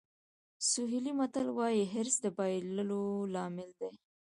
سوهیلي متل وایي حرص د بایللو لامل دی.